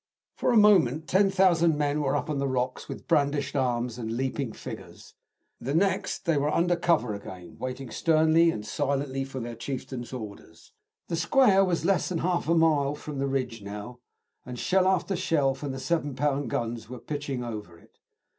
For a moment 10,000 men were up on the rocks with brandished arms and leaping figures; the next they were under cover again, waiting sternly and silently for their chieftain's orders. The square was less than half a mile from the ridge now, and shell after shell from the 7 lb. guns were pitching over it.